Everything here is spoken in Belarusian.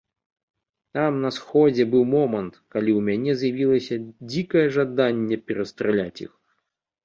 Там на сходзе быў момант, калі ў мяне з'явілася дзікае жаданне перастраляць іх.